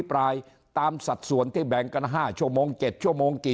ปลายตามสัดส่วนที่แบ่งกัน๕ชั่วโมง๗ชั่วโมงกี่